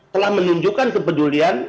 telah menunjukkan kepedulian